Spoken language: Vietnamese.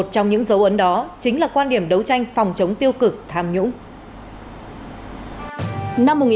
trong những dấu ấn đó chính là quan điểm đấu tranh phòng chống tiêu cực tham nhũng